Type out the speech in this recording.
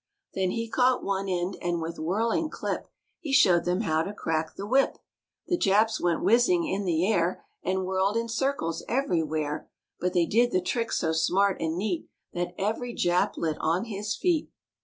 Then he caught one end and with whirling clip He showed them how to crack the whip. The Japs went whizzing in the air And whirled in circles everywhere; But they did the trick so smart and neat That every Jap lit on his feet.